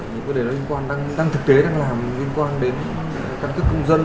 những vấn đề đó liên quan đang thực tế đang làm liên quan đến căn cấp công dân